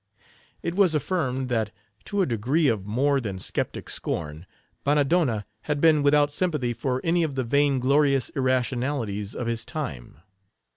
It was affirmed that, to a degree of more than skeptic scorn, Bannadonna had been without sympathy for any of the vain glorious irrationalities of his time.